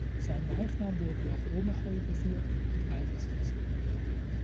Sein Leichnam wurde nach Omaha überführt und beigesetzt.